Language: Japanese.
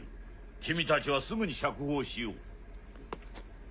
君たちはすぐに釈放しよう。